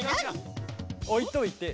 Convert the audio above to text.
おいといて。